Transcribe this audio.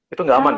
itu nggak aman ya